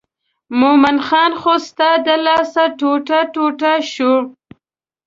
مومن خان خو ستا د لاسه ټوټه ټوټه شو.